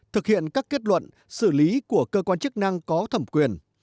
thực hiện các kết luận xử lý của cơ quan chức năng có thẩm quyền